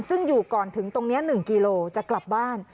ซึ่งอยู่ก่อนถึงตรงนี้๑กิโลจะกลับบ้าน